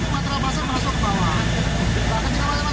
material pasar masuk ke bawah